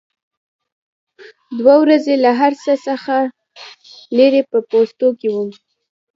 دوه ورځې له هر څه څخه لرې په پوستو کې وم.